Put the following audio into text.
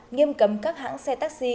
nghiêm cấm các hãng xe taxi